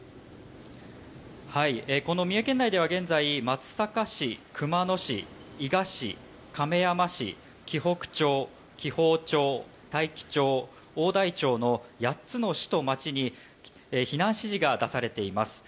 この三重県内では現在、松阪市、熊野市、伊賀市、亀山市、紀北町、紀宝町、大紀町、大台町の８つの市と町に避難指示が出されています。